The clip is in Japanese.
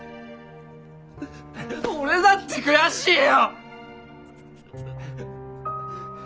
俺だって悔しいよ！